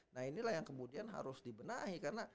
nah inilah yang kemudian harus dibenahi karena